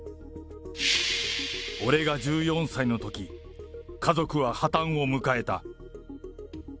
俺が１４歳のとき、家族は破綻を迎えた。